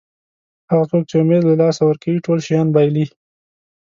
هغه څوک چې امید له لاسه ورکوي ټول شیان بایلي.